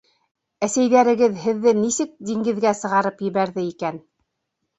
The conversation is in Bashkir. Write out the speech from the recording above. Әсәйҙәрегеҙ һеҙҙе нисек диңгеҙгә сығарып ебәрҙе икән?